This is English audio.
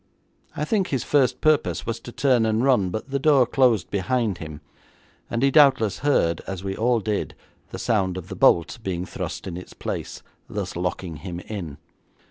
I think his first purpose was to turn and run, but the door closed behind him, and he doubtless heard, as we all did, the sound of the bolt being thrust in its place, thus locking him in.